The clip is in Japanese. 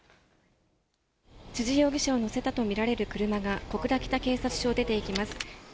辻容疑者を乗せたと見られる車が小倉北警察署を出ていきます。